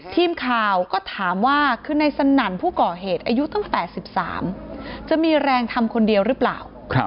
ทีมข่าวก็ถามว่าคือในสนั่นผู้ก่อเหตุอายุตั้งแต่๑๓จะมีแรงทำคนเดียวหรือเปล่า